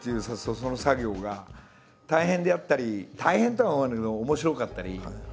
その作業が大変であったり大変とは思わないんだけど面白かったり。